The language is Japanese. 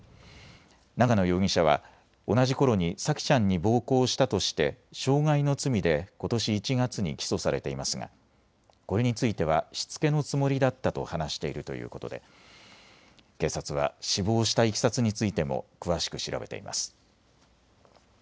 長野容疑者は同じころに沙季ちゃんに暴行したとして傷害の罪でことし１月に起訴されていますがこれについてはしつけのつもりだったと話しているということで警察は死亡したいきさつについても詳しく調べています。